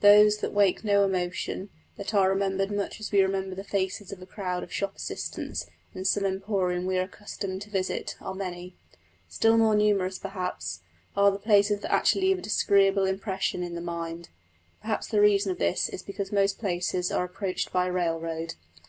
Those that wake no emotion, that are remembered much as we remember the faces of a crowd of shop assistants in some emporium we are accustomed to visit, are many. Still more numerous, perhaps, are the places that actually leave a disagreeable impression on the mind. Probably the reason of this is because most places are approached by railroad.